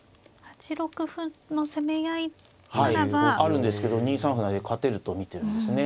あるんですけど２三歩成で勝てると見てるんですね。